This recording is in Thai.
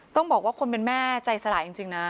ต้องบอกว่าคนเป็นแม่ใจสลายจริงนะ